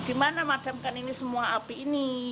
gimana memadamkan semua api ini